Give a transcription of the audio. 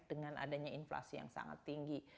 dengan adanya inflasi yang sangat tinggi